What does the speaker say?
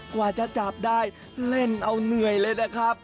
กว่าจะจับได้เล่นเอาเหนื่อยเลยนะครับ